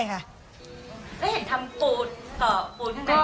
วันเสาร์นะฮะทุกปีทำสูงขนาดนี้หรือคะ